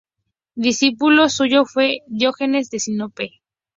Discípulo suyo fue Diógenes de Sinope